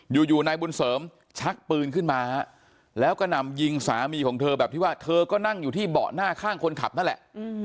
อยู่นายบุญเสริมชักปืนขึ้นมาแล้วก็นำยิงสามีของเธอแบบที่ว่าเธอก็นั่งอยู่ที่เบาะหน้าข้างคนขับนั่นแหละ